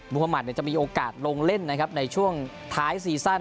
ฮมัติจะมีโอกาสลงเล่นนะครับในช่วงท้ายซีซั่น